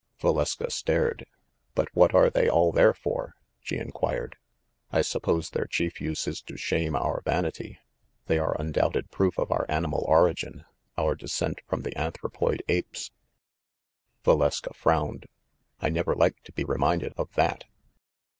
Valeska stared. "But what are they all there for ?" she inquired. "I suppose their chief use is to shame our vanity. THE FANSHAWE GHOST 67 They are undoubted proof of our animal origin, our descent from the anthropoid apes." Valeska frowned. "I never like to be reminded of that."